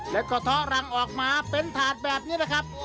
แล้วก็ท้อรังออกมาเป็นถาดแบบนี้แหละครับ